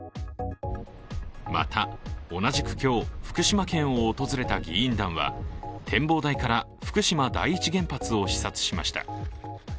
また、同じく今日、福島県を訪れた議員団は、展望台から福島第一原発を視察しました。